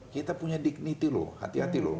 kita punya dignity loh hati hati loh